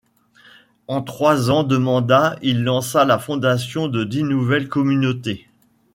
En trois ans de mandat, il lança la fondation de dix nouvelles communautés.